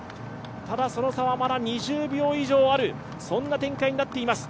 その差は２０秒以上ある、そんな展開になっている。